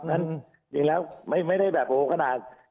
จริงแล้วไม่ได้แบบโหขนาด